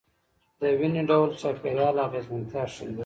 دویني ډول چاپیریال اغېزمنتیا ښيي.